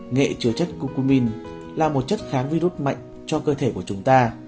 nghệ chứa chất cocomin là một chất kháng virus mạnh cho cơ thể của chúng ta